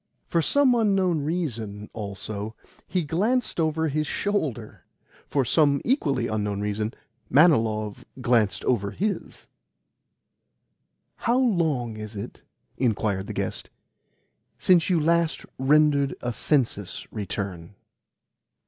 For some unknown reason, also, he glanced over his shoulder. For some equally unknown reason, Manilov glanced over HIS. "How long is it," inquired the guest, "since you last rendered a census return?"